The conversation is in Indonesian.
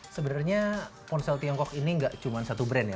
sebenarnya ponsel tiongkok ini nggak cuma satu brand ya